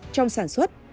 trong sản xuất